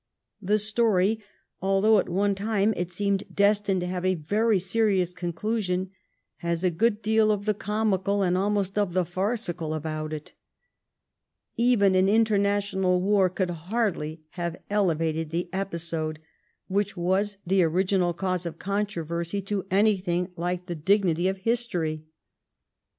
The story, although at one time it seemed destined to have a very serious conclusion, has a good deal of the comical and almost of the farcical about it. Even an international war could hardly have ele vated the episode which was the original cause of controversy to anything hke the dignity of history.